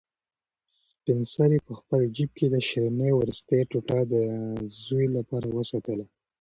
سپین سرې په خپل جېب کې د شیرني وروستۍ ټوټه د زوی لپاره وساتله.